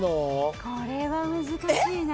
これは難しいな。